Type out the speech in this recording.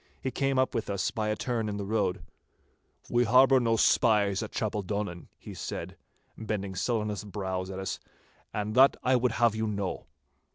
He came up with us by a turn in the road. 'We harbour no spies at Chapeldonnan,' he said, bending sullenest brows at us, 'and that I would have you know.